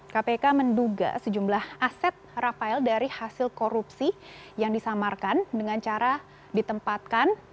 kpk menduga sejumlah aset rafael dari hasil korupsi yang disamarkan dengan cara ditempatkan